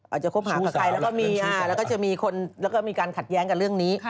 อาจจะคบหากับใครแล้วก็มีการขัดแย้งกับเรื่องนี้